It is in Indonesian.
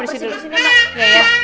bersih bersih dulu mak